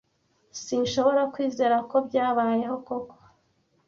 Sinshobora kwizera ko byabayeho koko.